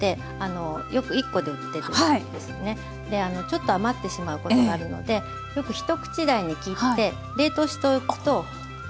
ちょっと余ってしまうことがあるのでよく一口大に切って冷凍しておくと便利です。